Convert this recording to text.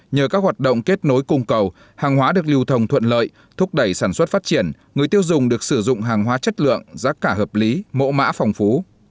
nhờ các hoạt động kết nối cung cầu hàng hóa được lưu thông thuận lợi thúc đẩy sản xuất phát triển người tiêu dùng được sử dụng hàng hóa chất lượng giá cả hợp lý mẫu mã phong phú